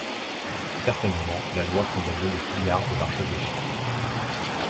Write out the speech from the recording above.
Certainement la Loi condamnait les pillards de l'archevêché.